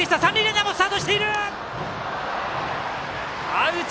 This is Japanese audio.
アウト。